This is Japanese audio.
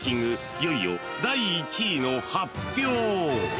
［いよいよ第１位の発表］